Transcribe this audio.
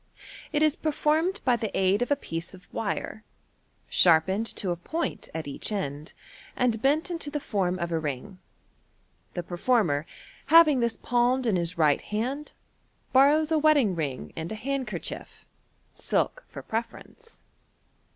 It is performed by the aid of a piece of wire, sharpened to a point at °ach end, and bent into the form of a ring. The performer, having this palmed in his right hand, borrows a wedding ring and a hand cerchief (silk for preference).